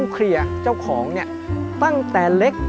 เครียร์เจ้าของตั้งแต่เล็ก